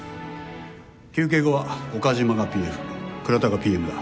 休憩後は岡島がＰＦ倉田がＰＭだ。